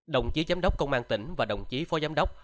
đồng chí giám đốc công an tỉnh và đồng chí phó giám đốc